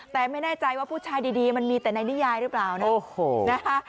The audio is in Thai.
แต่ไม่แน่ใจว่าผู้ชายดีมันมีแต่ในนิยายหรือเปล่านะโอ้โหนะคะ